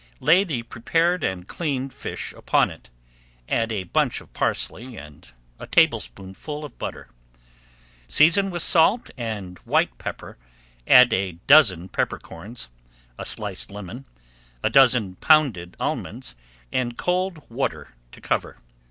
Lay the prepared and cleaned fish upon it, add a bunch of parsley and a tablespoonful of butter. Season with salt and white pepper, add a dozen peppercorns, a sliced lemon, a dozen pounded almonds, and cold water to cover.